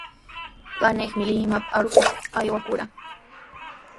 Paniimi Limapa arupakuq aywakurqan.